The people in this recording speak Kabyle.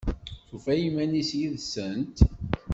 Tufa iman-is yid-sent?